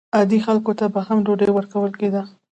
عادي خلکو ته به هم ډوډۍ ورکول کېده.